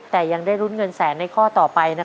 แต่ยังได้ลุ้นเงินแสนในข้อต่อไป